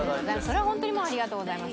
「それはホントにありがとうございます」